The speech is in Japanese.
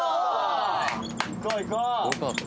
行こう行こう！